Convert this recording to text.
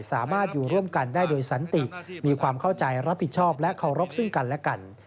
สามารถอยู่ร่วมกันได้โดยสันติมีความเข้าใจรับผิดชอบและเคารพซึ่งกันและกัน